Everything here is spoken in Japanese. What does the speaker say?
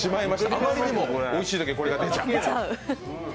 あまりにもおいしいときにはこれが出ちゃう。